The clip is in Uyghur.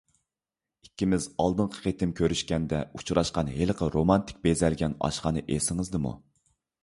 ئىككىمىز ئالدىنقى قېتىم كۆرۈشكەندە ئۇچراشقان ھېلىقى رومانتىك بېزەلگەن ئاشخانا ئېسىڭىزدىمۇ؟